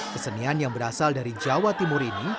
kesenian yang berasal dari jawa timur ini